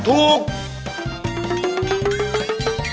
ถือฝื่น